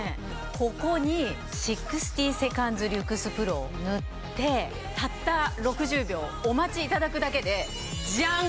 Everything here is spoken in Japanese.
ここに６０セカンズリュクスプロを塗ってたった６０秒お待ちいただくだけでじゃん！